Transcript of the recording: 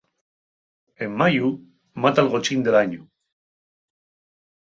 En mayu, mata'l gochín del añu.